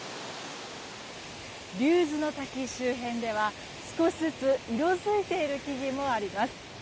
竜頭ノ滝周辺では少しずつ色づいている木々もあります。